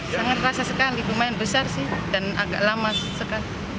sangat rasa sekali lumayan besar sih dan agak lama sekali